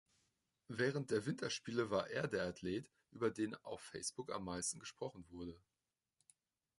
Während der Winterspiele war er der Athlet, über den auf Facebook am meisten gesprochen wurde.